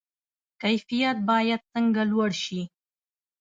کیفیت باید څنګه لوړ شي؟